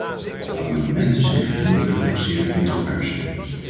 De amendementen zijn gedeeltelijk nog zeer controvers.